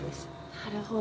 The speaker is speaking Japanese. なるほど。